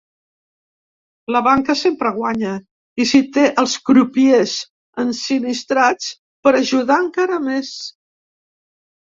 La banca sempre guanya i si té els crupiers ensinistrats per “ajudar” encara més!